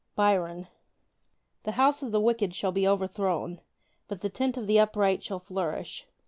Byron The house of the wicked shall be overthrown: But the tent of the upright shall flourish.